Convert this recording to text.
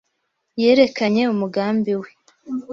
Yerekanye umugambi we.